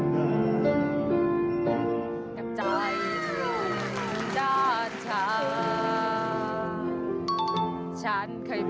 เพิ่มไมโจ๊กงานครับ